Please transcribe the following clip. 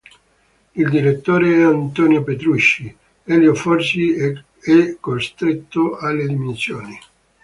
Il direttore è Antonio Petrucci, Elio Zorzi è costretto alle dimissioni.